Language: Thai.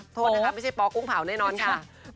โทษนะคะไม่ใช่ปอกุ้งเผาแน่นอนค่ะ